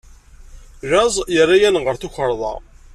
Llaẓ yerra-yaneɣ ɣer tukerḍa.